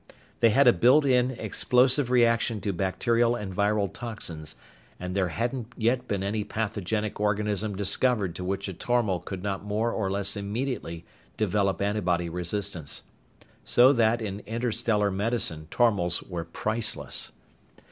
They had a built in, explosive reaction to bacterial and viral toxins, and there hadn't yet been any pathogenic organism discovered to which a tormal could not more or less immediately develop antibody resistance. So that in interstellar medicine tormals were priceless.